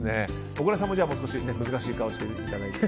小倉さんも難しい顔をしていただいて。